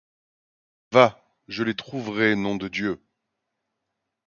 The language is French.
Va, je les trouverai, nom de Dieu!